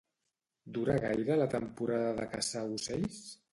Dura gaire la temporada de caçar ocells?